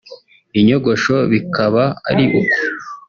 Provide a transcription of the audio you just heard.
inyogosho bikaba ari uko